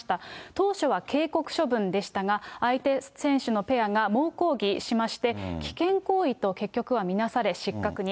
当初は警告処分でしたが、相手選手のペアが猛抗議しまして、危険行為と、結局は見なされ、失格に。